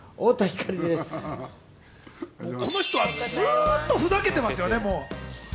この人はずっとふざけてますよね？